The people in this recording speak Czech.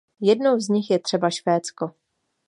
Jednou z nich je třeba Švédsko.